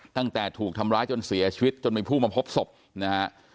ตั้งแต่ถูกทำร้ายจนเสียชีวิตจนมีผู้มาพบศพนะฮะ